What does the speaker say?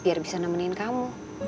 biar bisa nemenin kamu